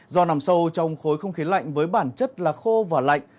do nằm sâu trong khối không khí lạnh với bản chất là khô và lạnh